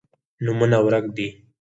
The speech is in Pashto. نومونه ورک دي